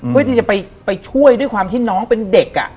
เพื่อที่จะไปช่วยด้วยความที่น้องเป็นเด็ก